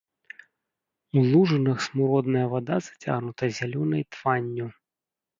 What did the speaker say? У лужынах смуродная вада зацягнута зялёнай тванню.